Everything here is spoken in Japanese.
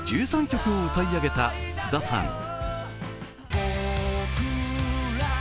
１３曲を歌い上げた菅田さん。